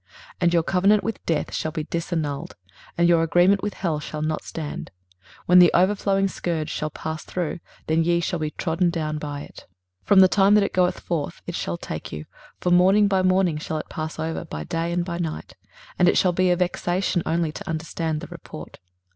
23:028:018 And your covenant with death shall be disannulled, and your agreement with hell shall not stand; when the overflowing scourge shall pass through, then ye shall be trodden down by it. 23:028:019 From the time that it goeth forth it shall take you: for morning by morning shall it pass over, by day and by night: and it shall be a vexation only to understand the report.